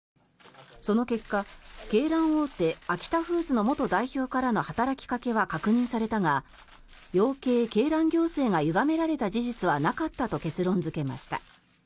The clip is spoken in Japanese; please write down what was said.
その結果、鶏卵大手アキタフーズの元代表からの働きかけは確認されたが養鶏・鶏卵行政がゆがめられた事実はなかったと結論付けました。